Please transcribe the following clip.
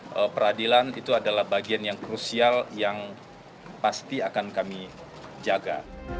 dan proses peradilan itu adalah bagian yang krusial yang pasti akan kami jaga